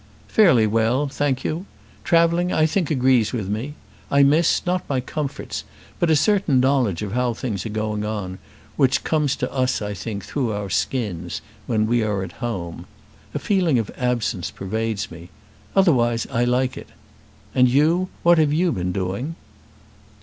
"Fairly well. Thank you. Travelling I think agrees with me. I miss, not my comforts, but a certain knowledge of how things are going on, which comes to us I think through our skins when we are at home. A feeling of absence pervades me. Otherwise I like it. And you; what have you been doing?"